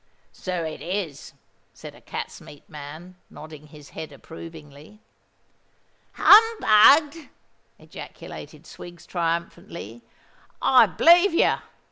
"So it is," said a cat's meat man, nodding his head approvingly. "Humbugged!" ejaculated Swiggs, triumphantly: "I b'lieve you!